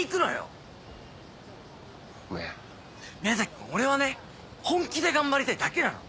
君俺はね本気で頑張りたいだけなの。